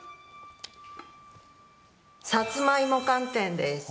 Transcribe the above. さつまいも寒天です。